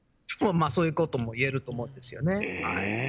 まあそういうことも言えると思うんですよね。